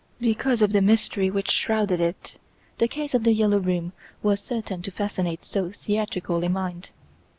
Because of the mystery which shrouded it, the case of "The Yellow Room" was certain to fascinate so theatrical a mind.